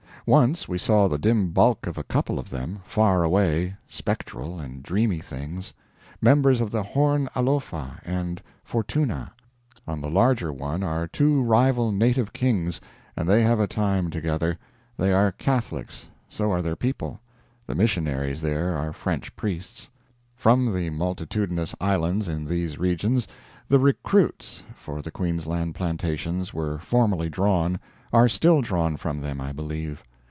Once we saw the dim bulk of a couple of them, far away, spectral and dreamy things; members of the Horne Alofa and Fortuna. On the larger one are two rival native kings and they have a time together. They are Catholics; so are their people. The missionaries there are French priests. From the multitudinous islands in these regions the "recruits" for the Queensland plantations were formerly drawn; are still drawn from them, I believe.